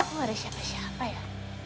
oh ada siapa siapa ya